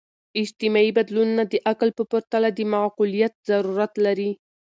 اجتماعي بدلونونه د عقل په پرتله د معقولیت ضرورت لري.